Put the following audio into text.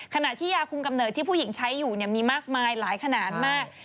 ขณะที่ยาคุมกำเนิดที่ผู้หญิงใช้อยู่มีมากมายหลายขนาดมาก